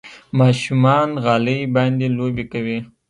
ماشومان غالۍ باندې لوبې کوي.